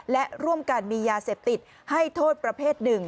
และร่วมกันมียาเสพติดให้โทษประเภท๑